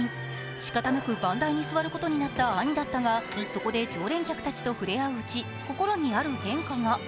しかたなく番台に座ることになった兄だったが、そこで常連客たちと触れ合ううち心にある変化が。